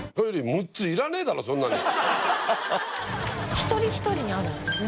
１人１人にあるんですね。